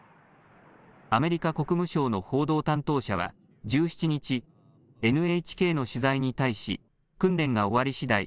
アメリカ国務省の報道担当者は１７日、ＮＨＫの取材に対し訓練が終わりしだい